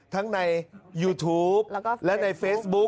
ในยูทูปและในเฟซบุ๊ค